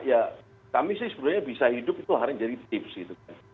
ya kami sih sebenarnya bisa hidup itu harus jadi tips gitu kan